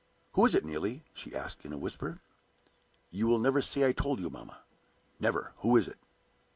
"Who is it, Neelie?" she asked, in a whisper. "You will never say I told you, mamma?" "Never! Who is it?"